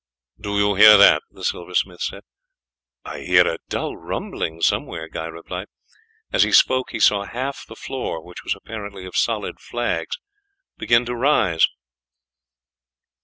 "Do you hear that?" the silversmith said. "I hear a dull rumbling somewhere," Guy replied. As he spoke he saw half the floor, which was apparently of solid flags, beginning to rise.